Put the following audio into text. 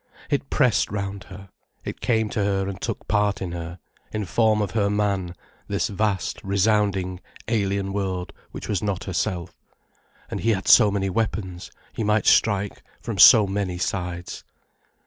It pressed round her, it came to her and took part in her, in form of her man, this vast, resounding, alien world which was not herself. And he had so many weapons, he might strike from so many sides.